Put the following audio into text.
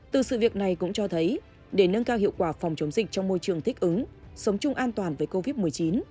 từ sự việc này cũng cho thấy để nâng cao hiệu quả phòng chống dịch trong môi trường thích ứng sống chung an toàn với covid một mươi chín